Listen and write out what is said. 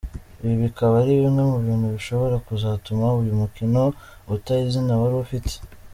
Ibi bikaba ari bimwe mu bintu bishobora kuzatuma uyu mukino uta izina wari ufite.